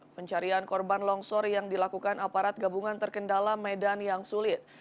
pencarian korban longsor yang dilakukan aparat gabungan terkendala medan yang sulit